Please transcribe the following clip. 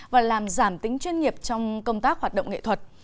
và làm giảm tính chuyên nghiệp trong công tác hoạt động nghệ thuật